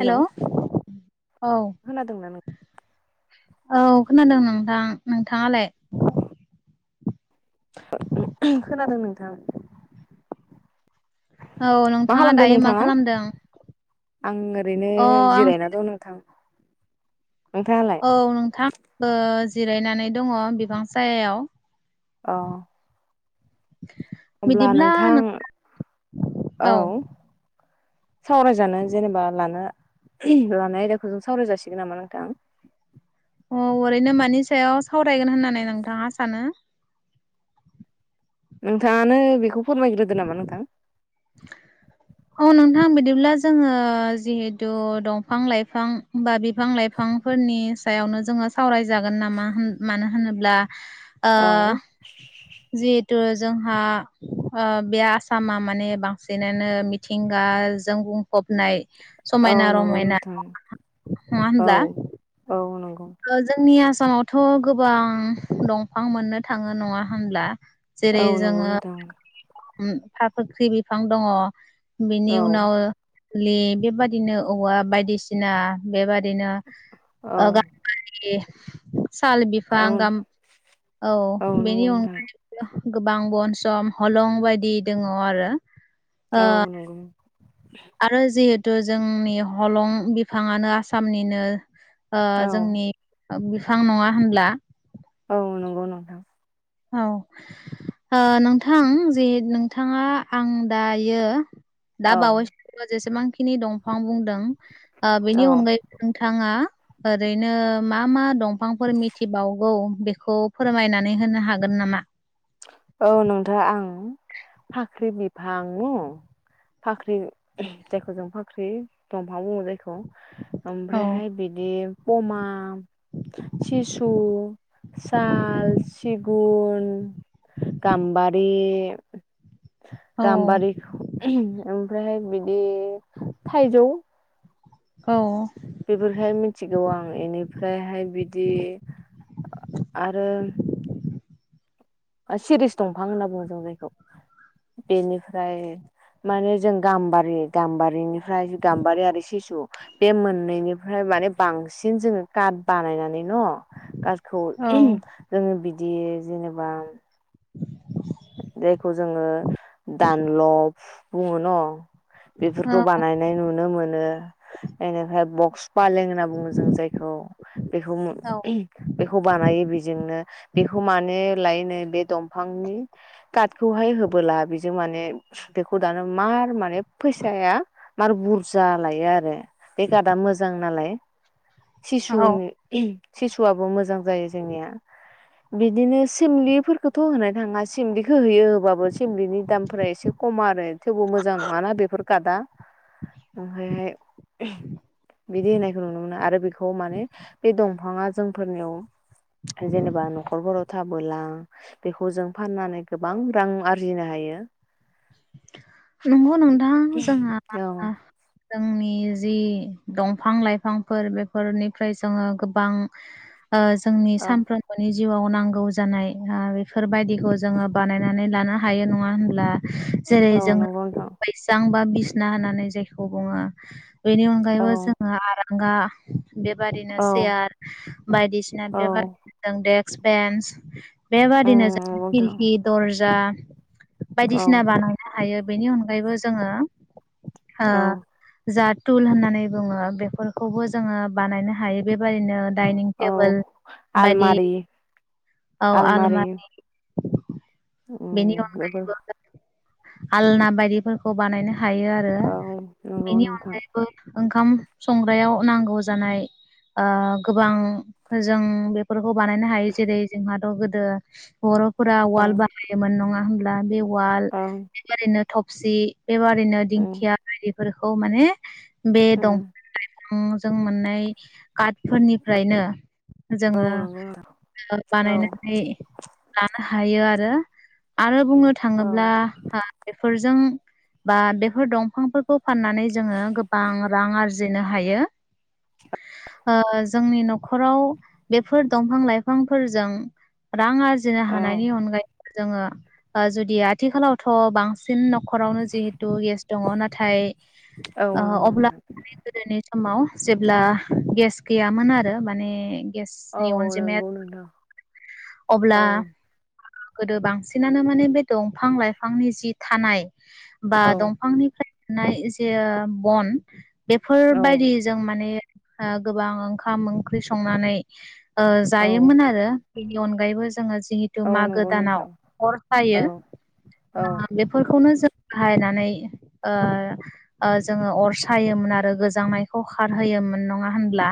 हेल' औ। खोनादोंना नों औ खोनादों नोंथां नोंथाङालाय? औ। खोनादों नों थां। औ नोंथाङा खालामदों दायो मा नोंथाङा खालामदों? आं ओरैनो अ आं जिरायना दं नोंथां। नोंथाङालाय औ नोंथां ओ जिरायनानै दङ बिफां सायायाव। औ। अब्ला बिदिब्ला नोंथां नों औ। सावरायजानो जेनेबा लानो लानाय आयदाखौ जों सावराय जासिगोन नामा नोंथां? अ ओरैनो मानि सायाव सावरायगोन होननानै नोंथाङा सानो? नोंथाङानो बेखौ फोरमायग्रोदो नामा नोंथां? औ नोंथां बिदिब्ला जोङो जिहेथु दंफां लाइफां बा बिफां लाइफांफोरनि सायावनो जोङो सावरायजागोन नामा होन मानो होनोब्ला ओ औ जि तु जोंहा ओ बे आसामा माने बांसिनानो मिथिंगाजों बुंफबनाय औ समायना नंगौ रमायना नोंथाङां औ औ नंगौ जोंनि जोंनि आसामावथ गोबां दंफां मोननो थाङो नङा होमब्ला? औ नंगौ नोंथां फा-फाख्रि बिफां दङ बेनि औ उनाव लि बेबादिनो औवा बायदिसिना बेबा दिनो औ ओ [unintelligible] साल औ बिफां गाम औ नंगौ बेनि नोंथां अनगायैबो गोबां बन सम हलं बायदि दङ आरो औ नंगौ आरो जिहे थु जोंनि हलं बिफाङानो आसामनिनो ओ औ जोंनि ओ बिफां नङा होनब्ला औ नंगौ नोंथां औ ओ नोंथां जि नोंथाङा आं दायो दा औ बावैसो जेसेबां खिनि दंफां बुं बाय ओ औ बेनि अनगायै नोंथाङा ओरैनो मा मा दंफांफोर मिथिबावगौ बेखौ फोरमायनानै होनो हा गोन नामा? औ नोंथा आं फाख्रि बिफां न' फाख्रि जायखौ जों फाख्रि दं फां बुङो जायखौ औ ओमफ्रायहाय बिदि कमा सिशु साल सिगुन गाम्बारि औ गाम्बारि [unintelligible] ओमफ्रायहाय बि दि थायजौ औ बेफोरहाय मिथिगौ आं एनिफ्रायहाय बिदि आरो सिरिस दंफां होनना बुंङो जों जायखौ बेनिफ्राय माने जों गाम्बारि गाम्बारिनिफ्राय गाम्बारि आरो सिसु बे मोननैनिफ्राय माने बांसिन जोङो काट बानायनानै न काटखौ जों बि दि जेनेबा [inaudible] जायखौ जोङो दानलब बुङो न' औ बेफोरखौ बानायनाय नुनो मोनो एनिफ्राय ब फालें होनना बुङो जों जायखौ बेखौ औ बेखौ बानायो बेजोंनो बेखौ माने लायनो बे दंफांनि काटखौहाय होबोला बि यो माने बेखौ दाना मार माने फैसाया मार बुरजा लायो आरो बे काटा मोजां नालाय। औ सिसुनि सिसुआबो मोजां जायो जोंनिया बिदिनो सिमलिफोरखौथ' होनाय थाङा सिम्लिखौ होयो होबाबो सिमलिनि दामफोरा एसे खम आरो थेवबो मोजां नङाना बेफोर खातआ ओमफ्राय हाय बिदि होनायखौ नुनो मोनो आरो बे खौ माने बे दंफाङा जोंफोरनियाव जेनेबा न'खरफोराव थाबोला बेखौ जों फाननानै गोबां रां आरजिनो हायो। नंगौ नोंथां जोंहा जोंनि जि दंफां लाइफांफोर बेफोरनिफ्राय जोङो गोबां ओ जोंनि औ सानफ्रामबोनि जिउआव नांगौ जानाय ओ बेफोर बायदिखौ जोङो बानायनानै लानो हायो नङा होनब्ला। जेरै औ जोङो नंगौ नोंथां फैसां बा बि सिना होनानै जायखौ बुङो। बेनि औ अनगायैबो जोङो आरां रांगा बेबादिनो औ सेयार बायदिसिना औ बेबादिनो देक सिपेन्स। उम बेबादिनो जों नंगौ नोंथां खिरखि दर्ज जा औ बायदिसिना बानायनो हायो। बेनि अनगायैबो जोङो औ ओं जा टुल होननानै बुङो बेफोरखौबो जोङो बानायनो हायो बे बायदिनो डाइनिं औ टेबोल बायदि आलमारि औ आलमारि बेनि उम बेफोर अनगायैबो आलना बायदिफोरखौ बानायनो हायो आरो औ नंगौ बेनि नोंथां अनगायैबो ओंखाम संग्रायाव नांगौ जानाय ओ गोबां जों बेफोर खौ बानायनो हायो जेरै जोंहा ओ गोदो बर' फोरा औ उवाल बानायोमोन नङा? होमब्ला बे उवाल औ ओरैनो थबसि बेबादिनो उम दिंखिया बायदि फोरखौ माने बे दं [inaudible] ओ जों मोननाय कार्ट फोरनिफ्रायनो औ जोङो नंगौ नोंथां ओ औ बानायनानै लानो हायो आरो आरो बुंनो औ थाङोब्ला हा बेफोरजों बा बेफोर दंफांफोरखौ फाननानै जोङो गोबां रां आरजिनो हायो ओ जोंनि न'खराव बेफोर दंफां लाइफां फोरजों रां आर जिनो औ हानायनि अनगायै जोङो ओ जुदि आथिखालावथ' बांसिन न'खरावनो जिहेतु गेस दङ' नाथाय ओ नंगौ अब्ला नोंथां गोदोनि । समाव जेब्ला गेस गैयामोन आरो माने औ गेसनि अनजिमाया नंगौ नोंथां अब्ला औ गोदो बांसिनानो माने बे दंफां लाइफांनि जि थानाय बा औ दंफांनिफ्राय नाय जे बन औ बेफोरबायदि जों माने ओ गोबां ओंखाम ओंख्रि संनानै ओ औ जायोमोन आरो । बेनि अनगायैबो जोङो जिहेथु औ मागो नंगौ नोंथां दानाव अर खायो औ औ ओ बेफोरखौनो जों बाहायनानै ओ ओ जोङो अर सायोमोन आरो गोजांनायखौ खारहोयोमोन नङा होनब्ला?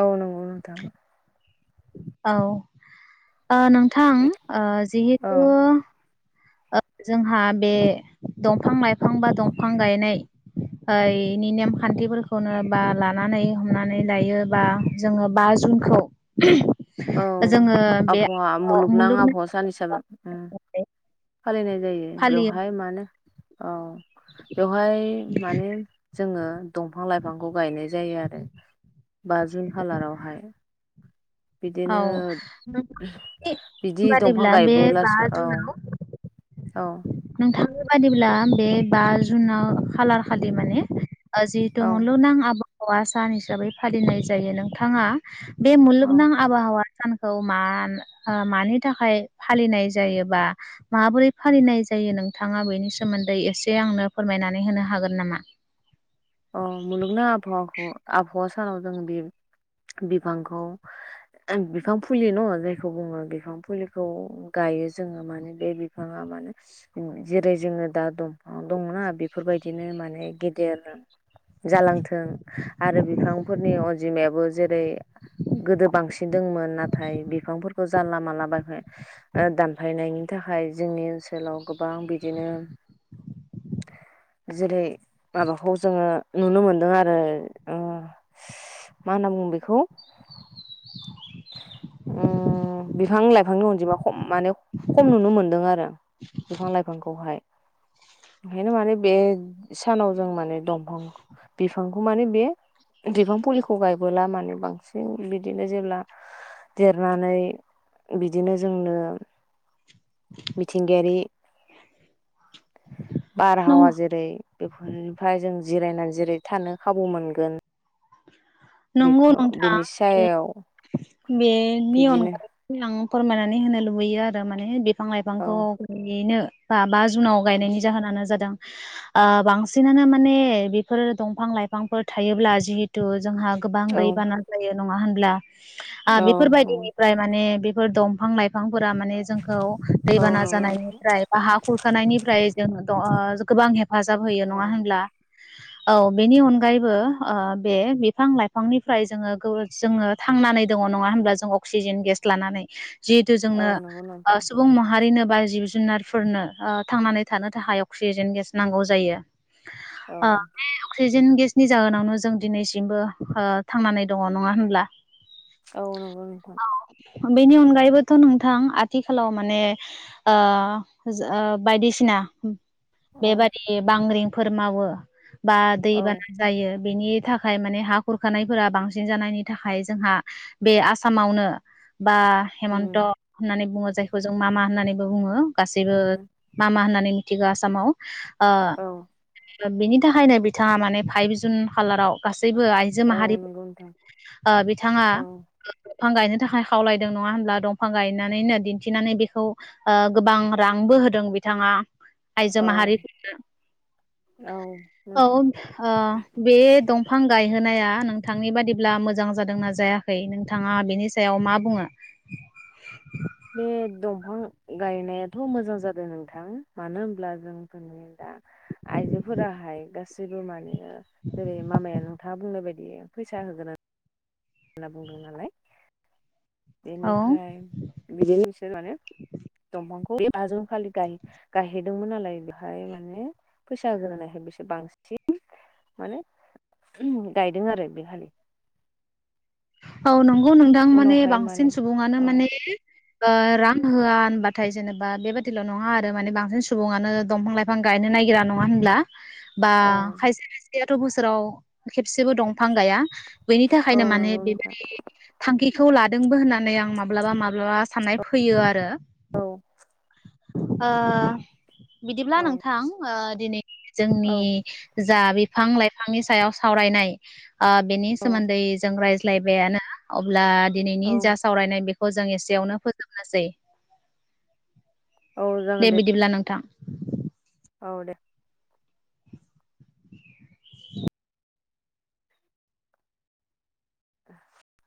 औ नंगौ नोंथां । औ ओ नोंथां ओ औ जिहेतु ओ जोंहा बे दंफां लाइफां बा दंफां गायनाय ओ इनि नेमखान्थिफोरखौनो बा लानानै हमनानै लायो बा जोङो बा जुनखौ औ जोङो बे आबहावा मुलुगनां आबहावा सान हिसाबै ओं । फालिनाय जायो फालियो बेवहाय मानो औ बेवहाय माने जोङो दंफां लाइफांखौ गायनाय जायो आरो बा जुन खालारावहाय औ बिदिनो नोंथांनि बिदि दंफां बादिब्ला बे बा गायबोलासो औ जुनाव औ नोंथांनि बादिब्ला बे बा जुनाव खालार खालि माने ओ जिहतु औ मुलुगनां आब हावा सान हिसाबै फालिनाय जायो नोंथाङा बे औ मलुगनां आबहावा सानखौ मा ओ मानि थाखाय फालिनाय जायोबा माबोरै फालिनाय जायो नोंथाङा बेनि सोमोन्दै एसे आंनो फोरमायनानै होनो हागोन नामा? अ मलुगनां आबहावाखौ आबहावा सानाव जों बे बिफांखौ बिफां फुलि न' जायखौ बुङो बिफां फुलिखौ गायो जोङो माने बे बिफाङा माने जेरै जोङो दा दंफां दंना बेफोरबायदिनो माने गेदेर जालांथों आरो बिफांफोरनि अनजिमायाबो जेरै गोदो बांसिन दोंमोन नाथाय बिफांफोरखौ जानला माला बा दानफायनायनि थाखाय जोंनि ओनसोलाव गोबां बिदिनो जेरै माबाखौ जोङो नुनो मोनदों आरो मा होनना बुङो बेखौ उम बिफां लाइफांनि अनजिमाखो खम माने खम नुनो मोनदों आरो । बिफां लाइफांखौहाय ओंखायनो माने बे सानाव जों माने दमफां बिफां बेखौ माने बे बिफां फुलिखौ गायबोला माने बांसिन बिदिनो जेब्ला देरनानै बिदिनो जोंनो मिथिंगायारि बारहावा जेरै बेफोरनिफ्राय जों जिरायनानै जिराय थानो खाबु मोनगोन नंगौ नोंथां बिनि सायाव बेनि बिदिनो अनगायै आं फोरमायनानै होनो लुबैयो आरो माने बिफां औ लाइफांखौ गयैनो बा बा जुनाव गायनायनि जाहोनानो जादों ओ बांसिनानो माने बेफोरो दंफां लाइफांफोर थायोब्ला जिहेतु जोंहा गोबां औ दैबाना जायो नङा होनब्ला? आ औ बेफोरबायदिनिफ्राय माने [unintelligible] दंफां लाइफां फोरा माने जोंखौ दैबाना नंगौ जानायनिफ्राय बा हा खुरखानायनिफ्राय जों द जों गोबां हे हेफाजाब होयो औ नङा होनब्ला औ बेनि अनगायैबो ओ बे बिफां लाइफां बिफांनिफ्राय जोङो [unintelligible] जोङो थांनानै दङ नङा होनब्ला जों अक्सिजेन गेस लानानै जिहेतु औ जोंनो नंगौ ओ नोंथां सुबुं माहारिनो बा जिब जुनारफोरनो ओ थांनानै थानो थाखाय अक्सिजेन गेस नांगौ जायो औ ओ औ बे अक्सिजेन सिजेन गेसनि जाहोनावनो जों दिनैसिमबो ओ थांनानै दङ नङा होनब्ला? औ नंगौ नोंथां बेनि अनगायैबोथ' नोंथां आथिखालाव माने ओ बायदिसिना औ बेबादि बांग्रिं फोर मावो बा औ दैबाना जायो बेनि थाखाय माने हा खुरखानायफोरा बांसिन जानायनि थाखाय जोंहा बे आसामावनो बा हेमन्त उम होननानै बुङो जायखौ जों मा मा होन्नानैबो बुङो गासैबो उम मा मा होननानै थिगो आसामाव आ औ बिनि थाखायनो बिथाङा माने फाइभ जुन खालाराव गासैबो जो औ माहारि नंगौ नोंथां बिथाङा औ दफां गायनो थाखाय खावलायदों नङा होनब्ला दंफां गायनानैनो दिन्थिनानै बेखौ ओ गोबां रांबो होदों बिथाङा । आइजो औ माहारिफोरनो औ औ नोंथां ओ बे दंफां गाय होनाया नोंथांनि बादिब्ला मोजां जादोंना जायाखै नोंथाङा बिनि सायाव मा बुङो । बिफां गायनायाथ' मोजां जादों नोंथां मानो होनब्ला जोंफोरनि दा आइजोफोराहाय गासैबो माने जेरै मामाया नोंथाङा बुंनाय बायदि फैसा होगोन होनना बुंदों नालाय। औ बेनिफ्राय बिदिनो बिसोर माने दंफांखौ बे बा जुन खालि गाय गायहैदोंमोन नालाय बेहाय माने फैसा होगोन होननायखाय बिसोर बांसिन माने गायदों आरो बे खालि औ नं ओ नोंथां माने उनावहाय बांसिन माने सुबुङानो औ माने ओ रां होआ होनबाथाय जेनेबा बेबादिल' नङा आरो माने बांसिन सुबुङानो दंफां लाइफां गायनो नायगिरा नङा होनब्ला । बा औ खायसे खाय गैयाथ' बोसोराव खेबसेबो दंफां गाया बेनि औ थाखायनो माने नंगौ बे बे नोंथां थांखिखौ लादोंबो होननानै आं माब्लाबा माब्लाबा साननाय फैयो आरो। औ। ओ। बिदिब्ला औ नोंथां ओ। दिनै जोंनि औ जा बिफां लाइफांनि सायाव सावरायनाय। ओ बेनि औ सोमोन्दै रायज्लाय लायबायानो अब्ला। दिनैनि औ जा सावरायनाय बे खौ जों एसेयावनो फोजोबनोसै। औ दे जागोन बिदिब्ला नोंथां। औ दे। [inaudible]